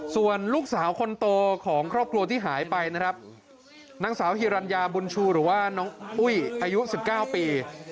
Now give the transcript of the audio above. ส่วนลูกสาวคนโตของครอบครัวที่หายไปนะครับนางสาวฮิรัญญาบุญชูหรือว่าน้องอุ้ยอายุ๑๙ปี